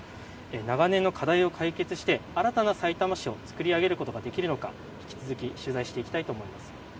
長年の課題を解決して新たなさいたま市を作り上げることができるのか引き続き取材をしていきたいと思います。